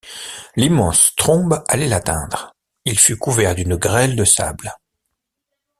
L’immense trombe allait l’atteindre ; il fut couvert d’une grêle de sable.